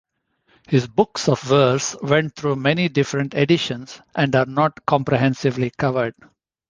His books of verse went through many different editions, and are not comprehensively covered.